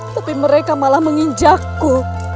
tapi mereka malah menginjakku